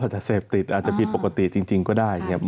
อาจจะเสพติดอาจจะผิดปกติจริงก็ได้